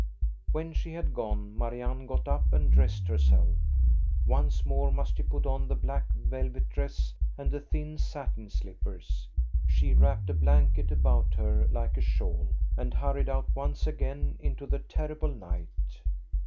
When she had gone, Marianne got up and dressed herself. Once more must she put on the black velvet 8 114 THE STORY OF GOSTA BERUNG dress and the thin satin slippers. She wrapped a blanket about her like a shawl, and hurried out once again into the terrible night.